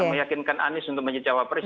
meyakinkan anies untuk menjadi cawapres